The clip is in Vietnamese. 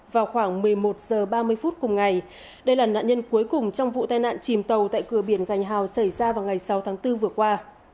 vào khoảng một mươi một h ba mươi phút cùng ngày đây là nạn nhân cuối cùng trong vụ tai nạn chìm tàu tại cửa biển gành hào xảy ra vào ngày sáu tháng bốn vừa qua